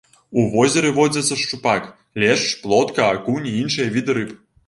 У возеры водзяцца шчупак, лешч, плотка, акунь і іншыя віды рыб.